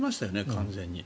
完全に。